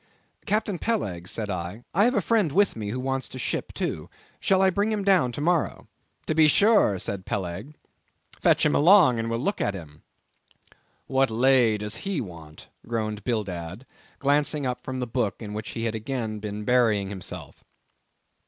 "Captain Peleg," said I, "I have a friend with me who wants to ship too—shall I bring him down to morrow?" "To be sure," said Peleg. "Fetch him along, and we'll look at him." "What lay does he want?" groaned Bildad, glancing up from the book in which he had again been burying himself.